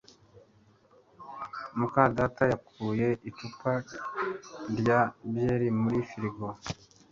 muka data yakuye icupa rya byeri muri firigo